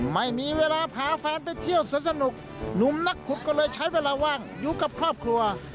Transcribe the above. ไม่มีเวลาพาแฟนไปเที่ยวสนุกหนุ่มนักขุดก็เลยใช้เวลาว่างอยู่กับครอบครัว